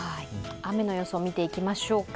雨の予想、見ていきましょうか。